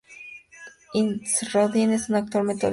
Ironside es un actor metódico.